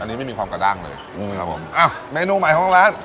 อันนี้ไม่มีความกระดั้งเลยอืมครับผมอ้าวเมนูใหม่ของร้าน